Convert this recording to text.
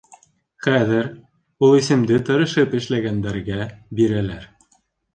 — Хәҙер ул исемде тырышып эшләгәндәргә бирәләр.